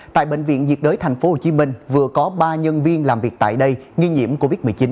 tại bệnh viện diệt đới tp hcm vừa có ba nhân viên làm việc tại đây nghi nhiễm covid một mươi chín